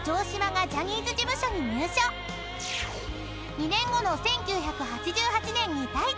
［２年後の１９８８年に太一］